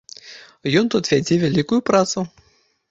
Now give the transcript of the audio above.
Ён тут вядзе вялікую працу.